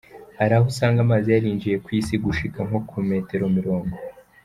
Hari aho usanga amazi yarinjiye kw'isi gushika nko ku metero mirongo.